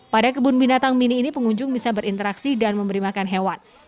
pada kebun binatang mini ini pengunjung bisa berinteraksi dan memberi makan hewan